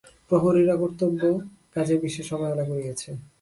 প্রহরীরা কর্তব্য কাজে বিশেষ অবহেলা করিয়াছে।